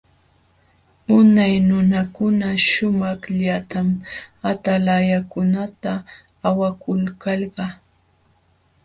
Unay nunakuna sumaqllatam atalankunata awakulkalqa.